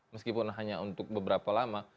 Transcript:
meskipun hanya untuk beberapa lama